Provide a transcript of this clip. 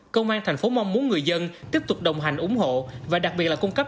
công an thành phố mong muốn người dân tiếp tục đồng hành ủng hộ và đặc biệt là cung cấp